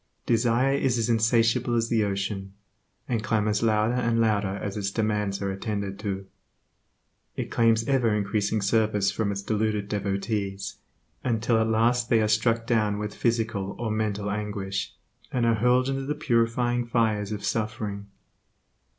Desire is as insatiable as the ocean, and clamors louder and louder as its demands are attended to. It claims ever increasing service from its deluded devotees, until at last they are struck down with physical or mental anguish, and are hurled into the purifying fires of suffering.